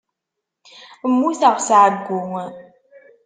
Mmuteɣ s ɛeyyu.